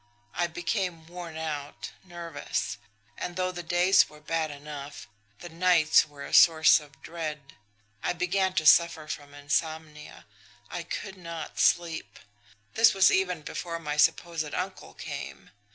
I became worn out, nervous; and though the days were bad enough, the nights were a source of dread. I began to suffer from insomnia I could not sleep. This was even before my supposed uncle came.